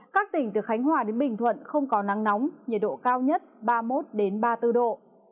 các tỉnh từ khánh hòa đến bình thuận không có nắng nóng nhiệt độ cao nhất ba mươi một ba mươi bốn độ